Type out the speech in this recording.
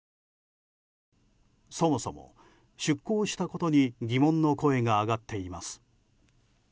そもそも、出航したことに疑問の声が上がっています。